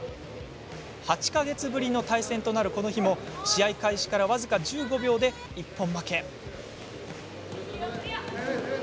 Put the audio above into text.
８か月ぶりの対戦となるこの日も試合開始から僅か１５秒で一本負け。